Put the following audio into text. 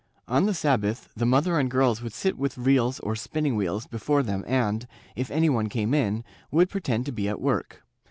On the Sabbath the mother and girls would sit with reels or spinning wheels before them and, if any one came in, would pretend to be at work.